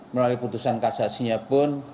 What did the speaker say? melalui putusan kasasinya pun